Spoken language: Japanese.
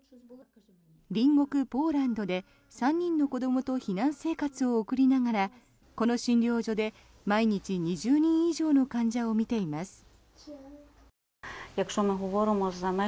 隣国ポーランドで３人の子どもと避難生活を送りながらこの診療所で毎日２０人以上の患者を診ています。